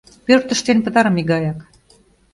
— Пӧрт ыштен пытарыме гаяк.